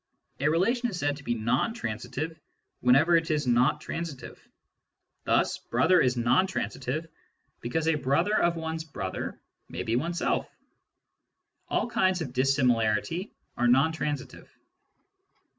A relation is said to be non transitive whenever it is not transitive. Thus "brother" is non transitive, because a brother of one's brother may be oneself. All kinds of dissimilarity are non transitive.